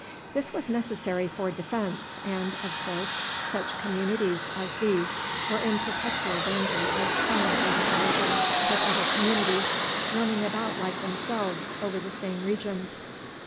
This was necessary for defense, as, of course, such communities as these were in perpetual danger of coming into collision with other communities roaming about like themselves over the same regions.